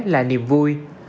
là niềm vui